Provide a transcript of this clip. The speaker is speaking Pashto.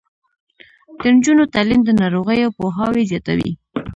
د نجونو تعلیم د ناروغیو پوهاوي زیاتوي.